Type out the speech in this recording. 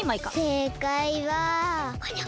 せいかい！